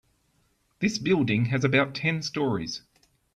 This building has about ten storeys.